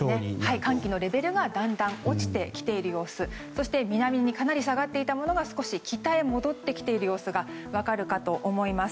寒気のレベルがだんだん落ちてきている様子そして南にかなり下がっているものが北に戻ってきている様子が分かるかと思います。